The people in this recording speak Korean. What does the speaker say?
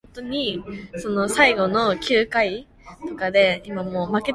불의한 자는 의인에게 미움을 받고 정직한 자는 악인에게 미움을 받느니라